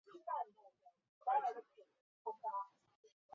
毛果巴豆为大戟科巴豆属下的一个种。